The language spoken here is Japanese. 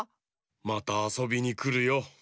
またあそびにくるよ。